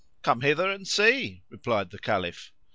"Come hither and see," replied the Caliph.